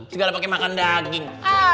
segala pake makan daging